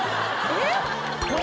えっ⁉